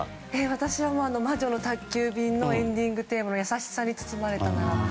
私は「魔女の宅急便」のエンディングテーマの「やさしさに包まれたなら」。